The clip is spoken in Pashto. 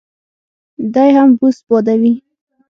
دی هم بوس بادوي.